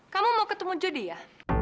kamu mau ketemu jodi ya